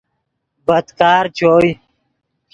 بدکار چوئے